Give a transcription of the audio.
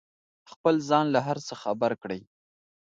خپل ځان له هر څه خبر کړئ.